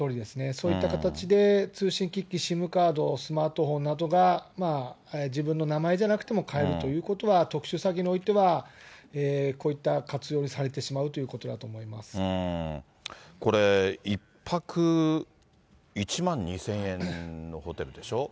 そういった形で通信機器、ＳＩＭカード、スマートフォンなどが、自分の名前じゃなくても買えるということは、特殊詐欺においては、こういった活用をされてしまうとこれ、１泊１万２０００円のホテルでしょ。